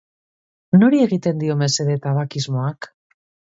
Nori egiten dio mesede tabakismoak?